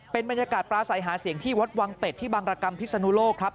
เป็นบรรยากาศปลาใสหาเสียงที่วัดวังเป็ดที่บางรกรรมพิศนุโลกครับ